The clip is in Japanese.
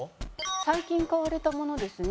最近買われたものですね。